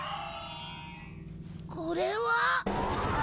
これは！